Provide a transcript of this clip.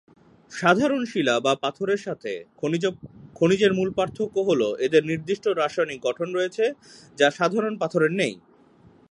সাধারণ শিলা বা পাথরের সাথে খনিজের মূল পার্থক্য হলো এদের নির্দিষ্ট রাসায়নিক গঠন রয়েছে যা সাধারণ পাথরের নেই।